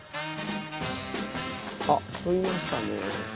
あっ人いましたね。